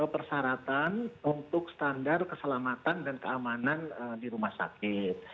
persyaratan untuk standar keselamatan dan keamanan di rumah sakit